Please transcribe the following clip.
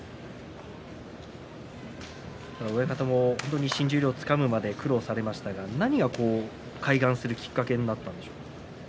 親方も新十両をつかむまで苦労をしましたが何が開眼するきっかけになったんでしょうか？